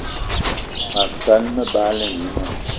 Mas gan, me bagla mina